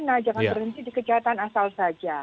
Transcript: nah jangan berhenti di kejahatan asal saja